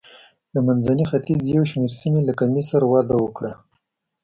د منځني ختیځ یو شمېر سیمې لکه مصر وده وکړه.